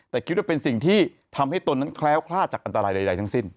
แต่คิดว่าเป็นสิ่งที่ทำให้ตนนั้นแคล้วคลาดจากอันตรายใดทั้งสิ้น